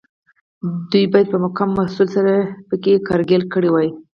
دوی باید په کم محصول سره پکې کرکیله کړې وای.